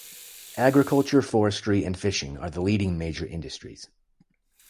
Agriculture, forestry and fishing are the leading major industries.